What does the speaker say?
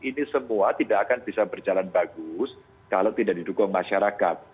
ini semua tidak akan bisa berjalan bagus kalau tidak didukung masyarakat